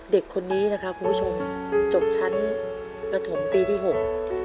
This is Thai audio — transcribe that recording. เด็กคนนี้นะครับคุณผู้ชมจบชั้นประถมปีที่หก